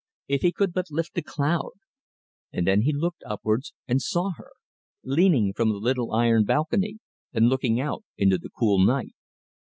If he could but lift the cloud! And then he looked upwards and saw her leaning from the little iron balcony, and looking out into the cool night.